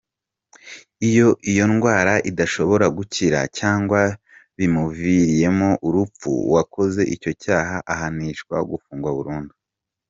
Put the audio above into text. Iyo iyo ndwara idashobora gukira cyangwa bimuviriyemo urupfu, uwakoze icyo cyaha ahanishwa gufungwa burundu.